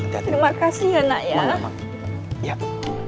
terima kasih ya nak